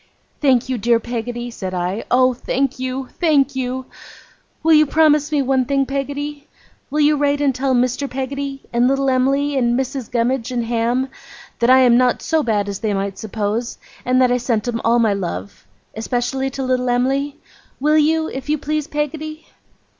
'Thank you, dear Peggotty!' said I. 'Oh, thank you! Thank you! Will you promise me one thing, Peggotty? Will you write and tell Mr. Peggotty and little Em'ly, and Mrs. Gummidge and Ham, that I am not so bad as they might suppose, and that I sent 'em all my love especially to little Em'ly? Will you, if you please, Peggotty?